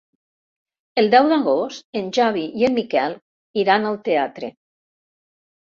El deu d'agost en Xavi i en Miquel iran al teatre.